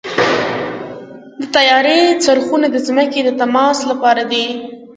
د طیارې څرخونه د ځمکې د تماس لپاره دي.